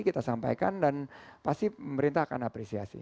kita sampaikan dan pasti pemerintah akan apresiasi